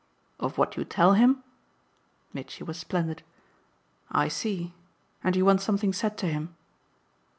"Of what you tell him?" Mitchy was splendid. "I see. And you want something said to him."